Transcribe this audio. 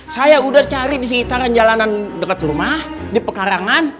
saya udah cari di sekitaran jalanan dekat rumah di pekarangan